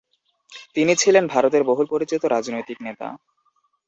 তিনি ছিলেন ভারতের বহুল পরিচিত রাজনৈতিক নেতা।